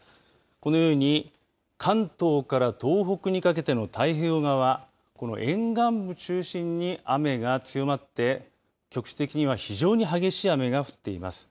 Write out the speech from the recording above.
このように関東から東北にかけての太平洋側この沿岸部中心に雨が強まって局地的には非常に激しい雨が降っています。